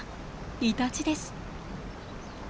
イタチです。